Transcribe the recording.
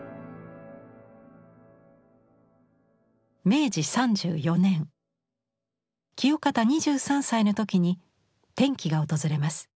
明治３４年清方２３歳の時に転機が訪れます。